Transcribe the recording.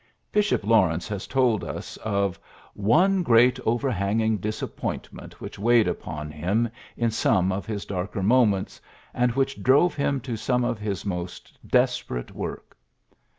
Bishop Lawrence has told, us of '^one great overhanging disappointment which weighed upon him in some of his darker moments, and which drove him to some of his most desperate work."